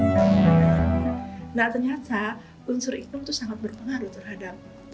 nah ternyata unsur iklim itu sangat berpengaruh terhadap